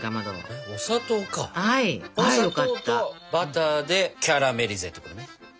お砂糖とバターでキャラメリゼってことね。